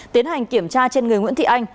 tiến hành kiểm tra trên người nguyễn thị anh